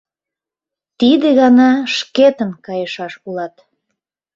Тиде гана шкетын кайышаш улат.